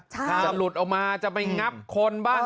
จะหลุดออกมาจะไปงับคนบ้าง